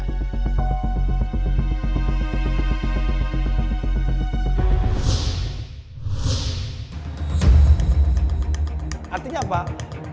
perilaku indus yang membuang limbah